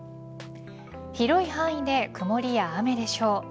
広い範囲で曇りや雨でしょう。